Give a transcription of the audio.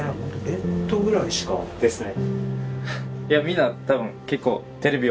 ベッドぐらいしか。ですね。